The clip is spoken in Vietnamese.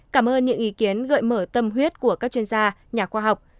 cảm ơn những ý kiến gợi mở tâm huyết của các chuyên gia nhà khoa học